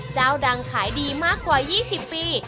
เจ้าดังขายดีมากกว่า๒๐ปี